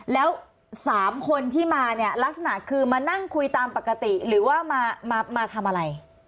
แล้ว๓คนที่มาเนี่ยลักษณะคือมานั่งคุยตามปกติหรือว่ามาทำอะไร